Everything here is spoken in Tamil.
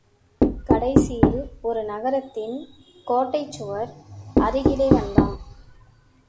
கடைசியில் ஒரு நகரத்தின் கோட்டைச் சுவர் அருகிலே வந்தான்.